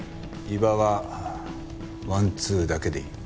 伊庭はワンツーだけでいい。